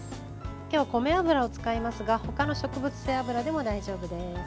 今日は米油を使いますが他の植物性油でも大丈夫です。